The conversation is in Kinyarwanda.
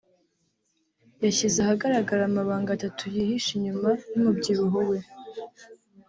yashyize ahagaragara amabanga atatu yihishe inyuma y’umubyibuho we